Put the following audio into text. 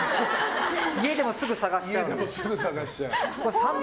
家でもすぐ探しちゃう。